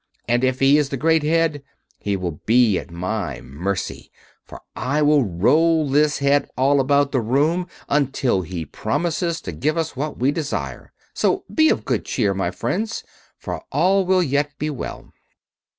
And if he is the great Head, he will be at my mercy; for I will roll this head all about the room until he promises to give us what we desire. So be of good cheer, my friends, for all will yet be well."